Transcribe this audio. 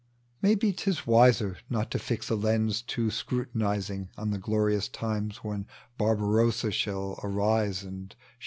Maybe 'tis wiser not to fix a lens Too scrutinizing on the glorious times When Barbarossa shall arise and shake